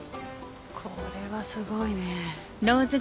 これはすごいね。